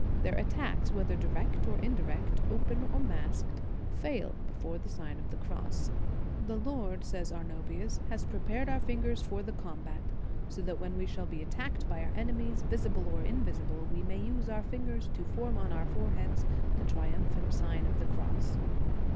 Their attacks, whether direct or indirect, open or masked, fail before the Sign of the Cross. "The Lord," says Arnobius, "has prepared our fingers for the combat, so that when we shall be attacked by our ene mies, visible or invisible, we may use our fin gers to form on our foreheads the triumphant Sign of the Cross."